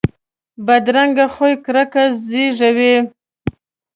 بدرنګه خوی کرکه زیږوي